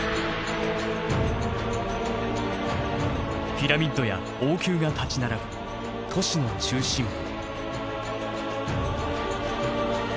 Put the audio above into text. ピラミッドや王宮が立ち並ぶ都市の中心部。